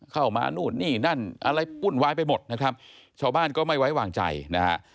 เข้ามานู่นนี่นั่นอะไรวุ่นวายไปหมดนะครับชาวบ้านก็ไม่ไว้วางใจนะฮะ